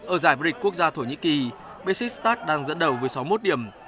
ở giải vô địch quốc gia thổ nhĩ kỳ besiktas đang dẫn đầu với sáu mươi một điểm